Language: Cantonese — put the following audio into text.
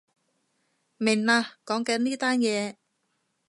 明喇，講緊呢單嘢